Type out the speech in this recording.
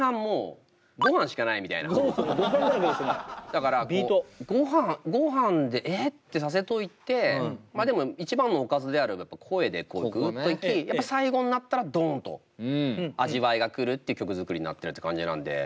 だからもうごはんで「ええ！？」ってさせといてでも一番のおかずであるやっぱ声でこうグッといきやっぱ最後になったらドンと味わいが来るっていう曲作りになってるって感じなんで。